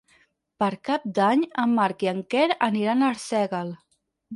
Per Cap d'Any en Marc i en Quer aniran a Arsèguel.